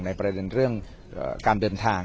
ประเด็นเรื่องการเดินทาง